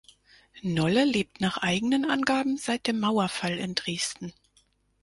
Nolle lebt nach eigenen Angaben seit dem Mauerfall in Dresden.